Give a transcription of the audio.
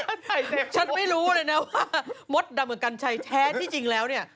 ฉันไม่รู้เลยนะว่ามดดำกับกัญชัยแท้ที่จริงแล้วเนี่ย